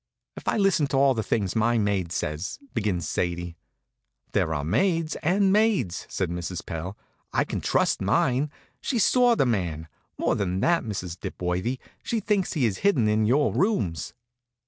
"If I listened to all the things my maid says " begins Sadie. "There are maids and maids," says Mrs. Pell. "I can trust mine. She saw the man. More than that, Mrs. Dipworthy, she thinks he is hidden in your rooms."